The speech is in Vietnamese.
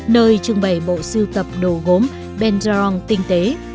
nơi trưng bày bộ sưu tập đồ gốm benjarong tinh tế